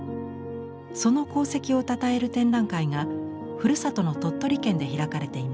その功績をたたえる展覧会がふるさとの鳥取県で開かれています。